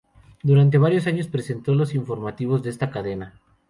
Durante varios años presentó los informativos de esta cadena.